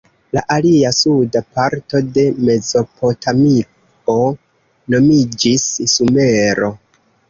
La alia, suda parto de Mezopotamio nomiĝis Sumero.